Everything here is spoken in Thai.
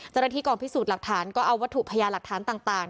เจ้าหน้าที่กองพิสูจน์หลักฐานก็เอาวัตถุพยาหลักฐานต่าง